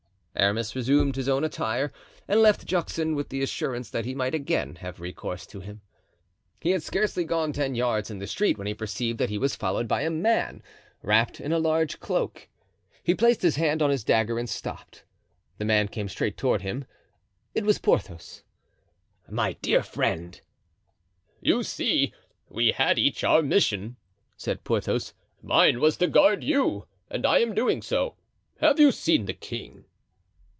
Aramis resumed his own attire and left Juxon with the assurance that he might again have recourse to him. He had scarcely gone ten yards in the street when he perceived that he was followed by a man, wrapped in a large cloak. He placed his hand on his dagger and stopped. The man came straight toward him. It was Porthos. "My dear friend," cried Aramis. "You see, we had each our mission," said Porthos; "mine was to guard you and I am doing so. Have you seen the king?"